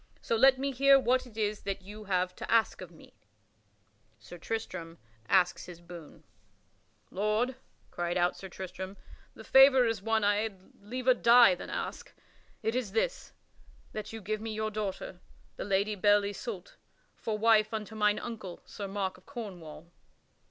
So let me hear what it is that you have to ask of me." [Sidenote: Sir Tristram asks his boon] "Lord," cried out Sir Tristram, "the favor is one I had liever die than ask. It is this: that you give me your daughter, the Lady Belle Isoult, for wife unto mine uncle, King Mark of Cornwall."